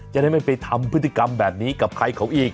จะได้ไม่ไปทำพฤติกรรมแบบนี้กับใครเขาอีก